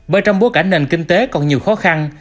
bởi trong bối cảnh nền kinh tế còn nhiều khó khăn